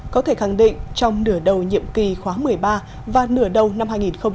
có thể khẳng định trong nửa đầu nhiệm kỳ khóa một mươi ba và nửa đầu năm hai nghìn hai mươi bốn